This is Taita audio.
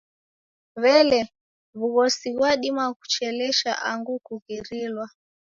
W'elee, w'ughosi ghwadima kucheleshwa angu kughirilwa?